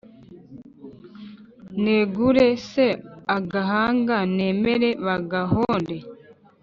negure se agahanga nemere bagahonde